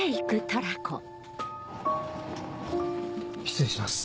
失礼します。